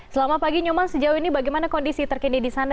selamat pagi nyoman sejauh ini bagaimana kondisi terkini di sana